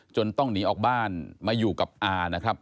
ต้องหนีออกบ้านมาอยู่กับอานะครับ